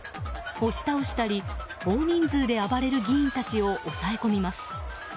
押し倒したり大人数で暴れる議員たちを押さえ込みます。